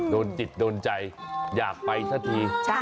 โดนจิตโดนใจอยากไปสักที